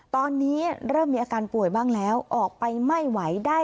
ตอนนี้เริ่มมีอาการป่วยบ้างแล้วออกไปไม่ไหวได้